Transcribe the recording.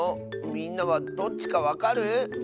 みんなはどっちかわかる？